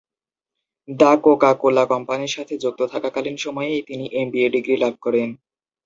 The Coca-Cola কোম্পানির সাথে যুক্ত থাকাকালীন সময়েই তিনি এমবিএ ডিগ্রি লাভ করেন।